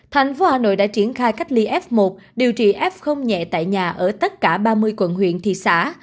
thành phố hà nội đã triển khai cách ly f một điều trị f nhẹ tại nhà ở tất cả ba mươi quận huyện thị xã